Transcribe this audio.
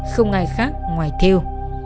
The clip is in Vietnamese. không ai khác ngoài thiêu